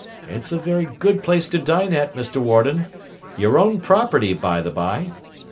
It's a very good place to dine at, Mr. Warden: your own property, by the bye.